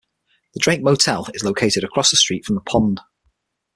The Drake Motel is located across the street from The Pond.